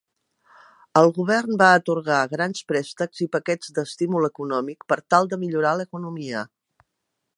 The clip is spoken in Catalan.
El govern va atorgar grans préstecs i paquets d'estímul econòmic per tal de millorar l'economia.